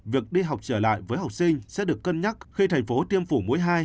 việc đi học trở lại với học sinh sẽ được cân nhắc khi thành phố tiêm phổi mũi hai